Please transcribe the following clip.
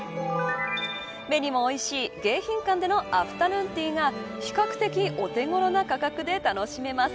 目にもおいしい迎賓館でのアフタヌーンティーが比較的お手頃な価格で楽しめます。